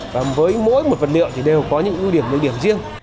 và với mỗi một vật liệu thì đều có những ưu điểm nơi điểm riêng